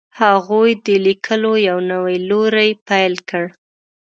هغوی د لیکلو یو نوی لوری پیل کړ.